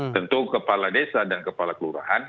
tentu kepala desa dan kepala kelurahan